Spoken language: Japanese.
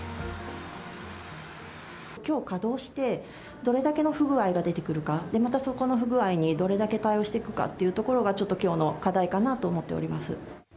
きょう稼働して、どれだけの不具合が出てくるか、またそこの不具合に、どれだけ対応していくかというところが、ちょっときょうの課題かなと思っております。